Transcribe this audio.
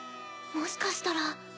もしかしたら。